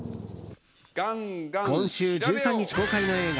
今週１３日公開の映画